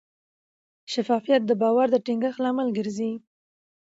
شفافیت د باور د ټینګښت لامل ګرځي.